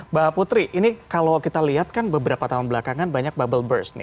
mbak putri ini kalau kita lihat kan beberapa tahun belakangan banyak bubble burst nih